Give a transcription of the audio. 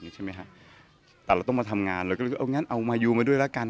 แต่เราต้องมาทำงานเราก็เลยก็เอาอยู่มาด้วยแล้วกัน